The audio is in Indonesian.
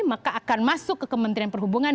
maka akan masuk ke kementerian perhubungan